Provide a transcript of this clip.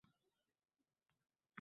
Nelar chekdi